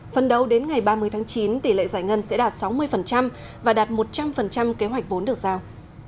phần đầu đến ngày ba mươi tháng chín tỷ lệ giải ngân sẽ đạt sáu mươi và đạt một trăm linh kế hoạch vốn được giao